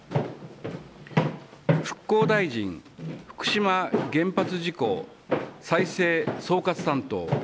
復興大臣福島原発事故再生総括担当